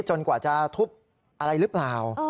กว่าจะทุบอะไรหรือเปล่า